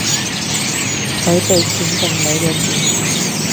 佢哋錢定你嘅錢